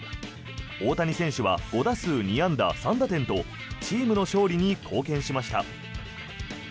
大谷選手は５打数２安打３打点とチームの勝利に貢献しました。